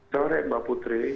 sore mbak putri